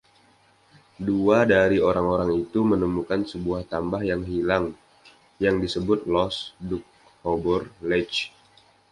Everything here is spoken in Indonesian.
Dua dari orang-orang itu menemukan sebuah tambah yang hilang, yang disebut Lost Doukhobor Ledge.